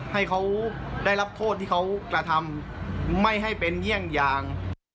ให้เขาได้รับโทษที่เขากระทำไม่ให้เป็นเยี่ยงอย่าง